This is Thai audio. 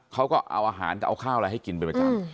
เขาก็เอาอาหารกับเอาข้าวอะไรให้กินเป็นประจำ